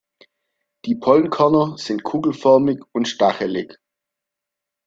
Die Pollenkörner sind kugelförmig und stachelig.